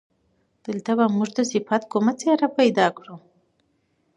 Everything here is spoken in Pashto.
دلته به موږ د صفت کومه خبره پیدا کړو.